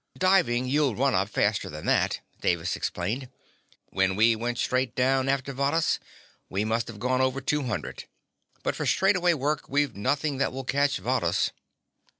"Diving, you'll run up faster than that," Davis explained. "When we went straight down after Varrhus, we must have gone over two hundred, but for straightaway work we've nothing that will catch Varrhus."